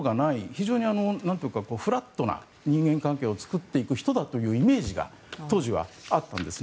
非常にフラットな人間関係を作っていくというイメージが当時はあったんです。